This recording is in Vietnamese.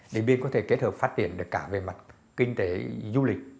để điện biên có thể kết hợp phát triển cả về mặt kinh tế du lịch